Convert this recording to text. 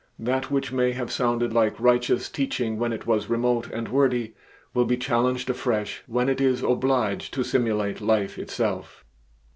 That which may have sounded like righteous teaching when it was remote and wordy, will be challenged afresh when it is obliged to simulate life itself.